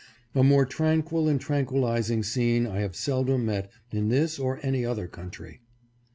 A more tranquil and tranquilizing scene I have seldom met in this or any other country.